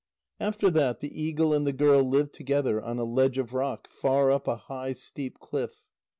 After that the eagle and the girl lived together on a ledge of rock far up a high steep cliff.